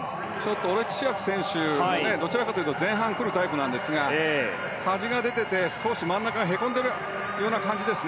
オレクシアク選手どちらかというと前半くるタイプなんですが端が出ていて少し真ん中がへこんでいる感じです。